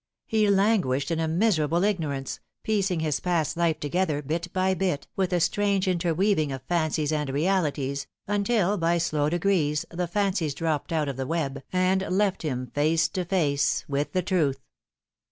He languished in a miserable ignorance, piecing his past life together bit by bit, with a strange interweaving of fancies and realities, until by slow degrees the fancies dropped out of the web and left him face to face with the truth.